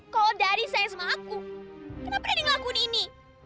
kalau daddy sayang sama aku kenapa daddy ngelakuin ini